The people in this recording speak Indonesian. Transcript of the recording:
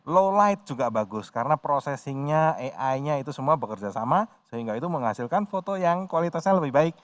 low light juga bagus karena processingnya ai nya itu semua bekerja sama sehingga itu menghasilkan foto yang kualitasnya lebih baik